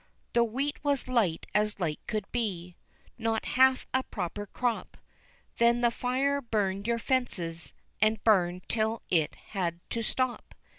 The wheat was light as light could be, Not half a proper crop, Then the fire burned your fences, And burned till it had to stop.